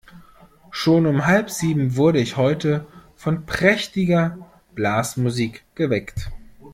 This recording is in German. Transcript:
Schon um halb sieben wurde ich heute von prächtiger Blasmusik geweckt.